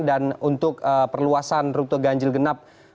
dan untuk perluasan rute ganjil genap